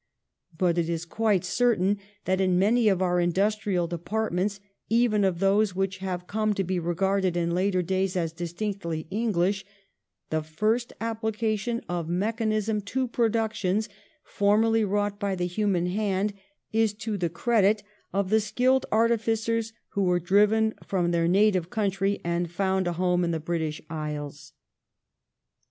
But it is quite certain that in many of our industrial departments, even of those which have come to be regarded in later days as distinctively English, the first application of mechanism to productions formerly wrought by the human hand is to the credit of the skilled artificers who were driven from their native country and found a home in the British Islands.